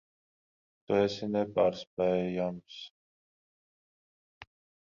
Tu esi nepārspējams.